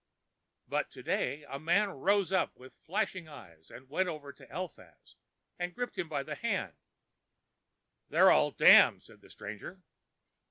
But to day a man rose up with flashing eyes and went over to Eliphaz and gripped him by the hand: "They're all damned," said the stranger.